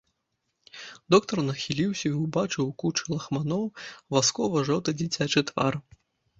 Доктар нахіліўся і ўбачыў у кучы лахманоў васкова-жоўты дзіцячы твар.